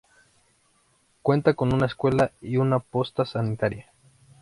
Cuenta con una escuela y una posta sanitaria.